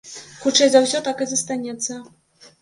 Хутчэй за ўсе, так і застанецца.